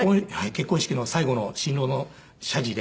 結婚式の最後の新郎の謝辞で。